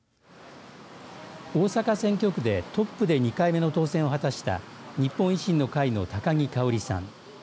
大阪選挙区でトップで２回目の当選を果たした日本維新の会の高木かおりさん。